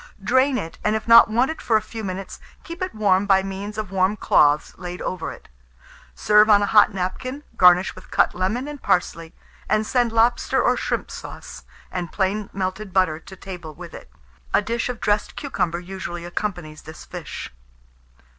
Drain it, and if not wanted for a few minutes, keep it warm by means of warm cloths laid over it. Serve on a hot napkin, garnish with cut lemon and parsley, and send lobster or shrimp sauce, and plain melted butter to table with it. A dish of dressed cucumber usually accompanies this fish.